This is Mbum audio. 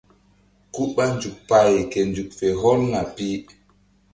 Ku ɓa nzuk pay ke nzuk fe hɔlna pi.